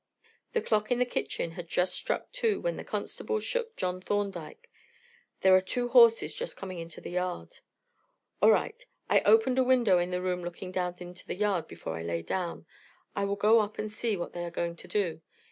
The clock in the kitchen had just struck two when the constable shook John Thorndyke. "There are two horses just coming into the yard." "All right. I opened a window in the room looking down into the yard before I lay down. I will go up and see what they are going to do.